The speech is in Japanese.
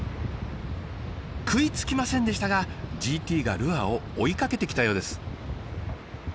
食いつきませんでしたがＧＴがルアーを追いかけてきたようです。